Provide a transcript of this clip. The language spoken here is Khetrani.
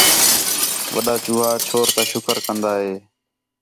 وݙا چوہا چھور تا شُکر کَندا ہِے